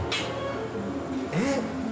えっ？